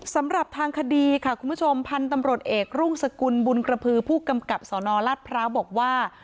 สำหรับทางคดีค่ะคุณผู้ชมพันธุ์ตำรวจเอกรุ่งสกุลบุญกระพือผู้กำกับสนรัฐพร้าวบอกว่า